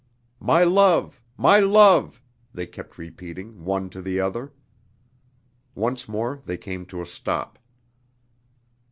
"My love, my love!" they kept repeating, one to the other. Once more they came to a stop.